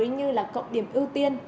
điểm mới như là cộng điểm ưu tiên